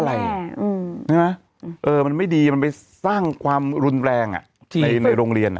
ใช่ไหมเออมันไม่ดีมันไปสร้างความรุนแรงในโรงเรียน